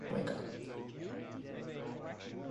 Meg, I cannot face Margaret Pye.